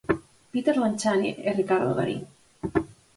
Peter Lanzani e Ricardo Darín.